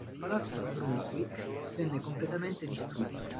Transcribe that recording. Il Palazzo di Brunswick venne completamente distrutto.